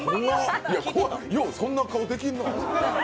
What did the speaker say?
よう、そんな顔できんな。